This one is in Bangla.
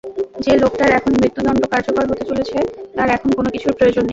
যে লোকটার এখন মৃত্যুদন্ড কার্যকর হতে চলেছে তার এখন কোনো কিছুর প্রয়োজন নেই।